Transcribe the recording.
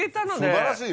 素晴らしいよ。